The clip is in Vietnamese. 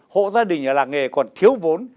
hộ gia đình ở làng nghề còn thiếu vốn